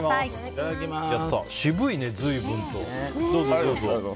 渋いね、随分と。